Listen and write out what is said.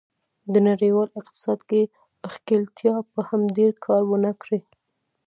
د نړیوال اقتصاد کې ښکېلتیا به هم ډېر کار و نه کړي.